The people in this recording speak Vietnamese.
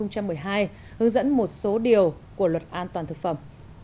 của luật an toàn thực phẩm